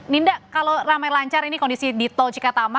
ninda kalau ramai lancar ini kondisi di tol cikatama